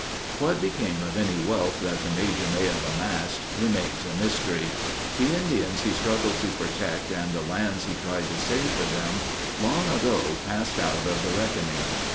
What became of any wealth that the Major may have amassed remains a mystery. The Indians he struggled to protect and the lands he tried to save for them long ago passed out of the reckoning.